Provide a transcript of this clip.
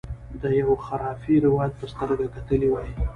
د یوه خرافي روایت په سترګه کتلي وای.